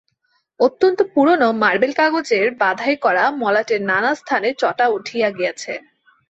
অত্যন্ত পুরানো মার্বেল কাগজের বাধাই করা মলাটের নানাস্থানে চটা উঠিয়া গিয়াছে।